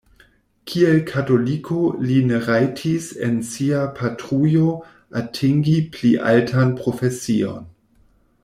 Kiel katoliko li ne rajtis en sia patrujo atingi pli altan profesion.